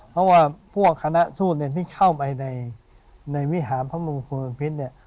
เพราะว่าพวกคณะสู้ที่เข้าไปในวิหาพระมงคลพระพิษ